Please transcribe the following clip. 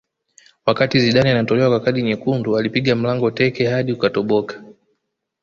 wakati zidane anatolewa kwa kadi nyekundu alipiga mlango teke hadi ukatoboka